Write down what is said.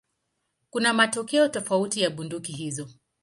Kuna matoleo tofauti ya bunduki hizo.